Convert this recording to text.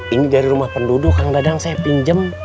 ini dari rumah penduduk yang dadang saya pinjam